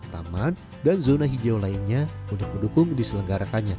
taman dan zona hijau lainnya untuk mendukung diselenggarakannya